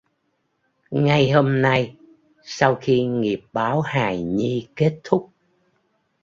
Ngay hôm nay sau khi nghiệp báo hài nhi Kết Thúc